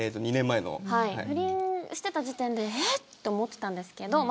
不倫してた時点でえっ、と思ってたんですけど